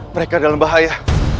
mereka dalam bahaya